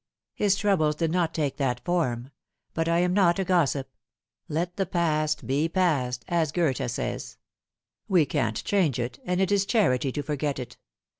His troubles did not take that form. But I am not a gossip. Let the past be past, as Goethe says. We can't change it, and it is charity to forget it.